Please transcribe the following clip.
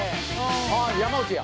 「あっ山内や」